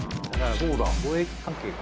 そうだね。